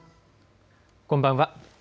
こんばんは。